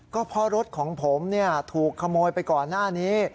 ก็เพราะรถของผมถูกขโมยไปก่อนหน้านี้